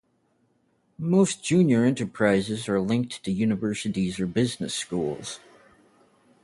Most Junior Enterprises are linked to universities or business schools.